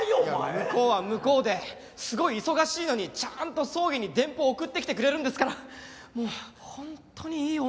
向こうは向こうですごい忙しいのにちゃんと葬儀に電報送ってきてくれるんですからもうホントにいい女ですよ。